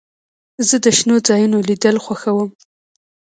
زه د شنو ځایونو لیدل خوښوم.